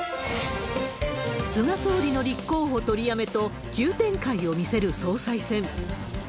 菅総理の立候補取りやめと、急展開を見せる総裁選。